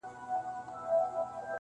دا صفت مي په صفاتو کي د باز دی,